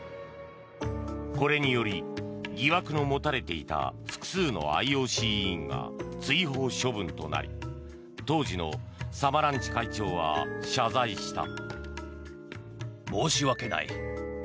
これにより、疑惑の持たれていた複数のＩＯＣ委員が追放処分となり当時のサマランチ会長は謝罪した。